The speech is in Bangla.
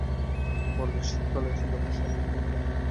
পরদিন সকালে, যখন সবাই জেগে ওঠে এবং আবার হাঁটার জন্য প্রস্তুত হয়।